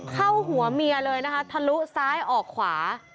เข้าหัวเมียเลยนะคะทะลุซ้ายออกขวา